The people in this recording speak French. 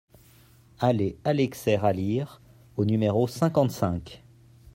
Allée Alexer Alire au numéro cinquante-cinq